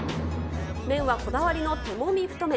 麺はこだわりの手もみ太麺。